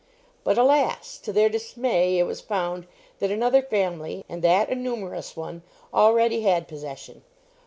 But, alas! to their dismay, it was found that another family, and that a numerous one, already had possession.